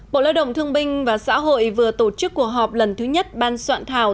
bộ lao động thương binh và xã hội vừa tổ chức cuộc họp lần thứ nhất ban soạn thảo